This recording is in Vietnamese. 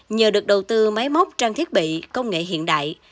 nhờ được đầu tư máy móc trang thiết bị công nghệ hiện đại